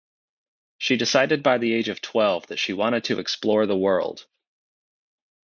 She decided by the age of twelve that she wanted to explore the world.